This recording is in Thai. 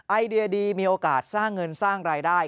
ไอเดียดีมีโอกาสสร้างเงินสร้างรายได้